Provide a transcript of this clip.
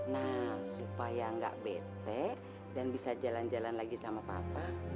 nah supaya nggak bete dan bisa jalan jalan lagi sama papa